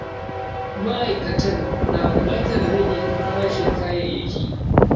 Ma'aikatan na buƙatar rage farashin kayayyaki.